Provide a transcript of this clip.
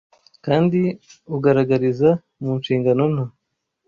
kandi ugaragariza mu nshingano nto